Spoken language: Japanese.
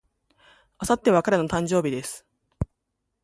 明後日は彼の誕生日です。